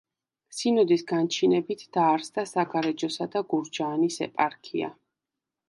სინოდის განჩინებით დაარსდა საგარეჯოსა და გურჯაანის ეპარქია.